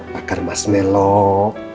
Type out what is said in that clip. bakar mas melok